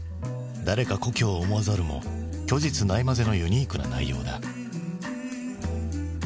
「誰か故郷を想はざる」も虚実ないまぜのユニークな内容だ。